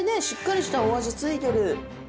しっかりしたお味付いてる。